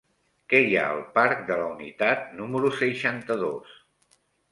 Què hi ha al parc de la Unitat número seixanta-dos?